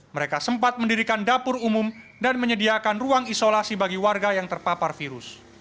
mereka sempat mendirikan dapur umum dan menyediakan ruang isolasi bagi warga yang terpapar virus